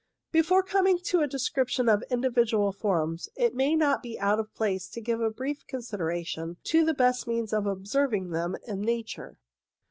Before coming to the description of individual forms, it may not be out of place to give brief con sideration to the best means of observing them in 14 INTRODUCTORY nature.